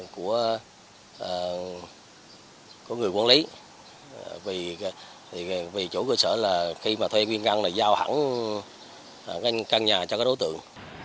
của người quản lý vì chủ cơ sở là khi mà thuê nguyên găng là giao hẳn căn nhà cho các đối tượng